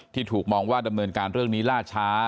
ถูกมองว่าดำเนินการเรื่องนี้ล่าช้า